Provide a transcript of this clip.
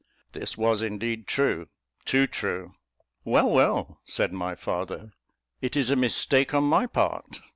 (This was, indeed, true, too true.) "Well, well," said my father, "it is a mistake on my part."